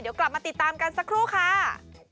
เดี๋ยวกลับมาติดตามกันสักครู่ค่ะ